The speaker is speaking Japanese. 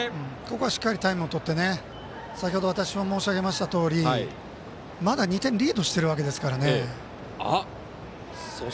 ここは、しっかりタイムをとって先ほど申し上げたとおりまだ２点リードしているわけですからね。